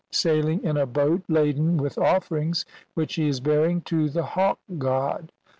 CXIII sailing in a boat laden with offerings which he is bearing to the hawk god.